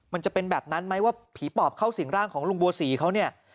มันจะเป็นแบบนั้นไหมว่าผีปอบเข้าสิ่งร่างของลุงบัวศรีเขาเนี่ย